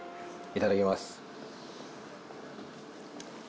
いただきます。